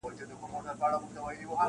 غوره کړی چا دوکان چا خانقاه ده -